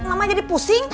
mama jadi pusing